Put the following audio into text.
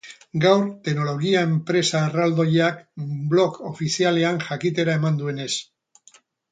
Gaur, teknologia enpresa erraldoiak blog ofizialean jakitera eman duenez.